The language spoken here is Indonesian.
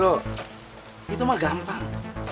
roro itu mah gampang